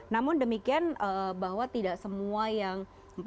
namun demikian bahwa tidak semua yang empat puluh sembilan empat puluh enam